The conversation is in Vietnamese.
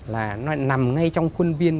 là nó nằm ngay trong khuôn viên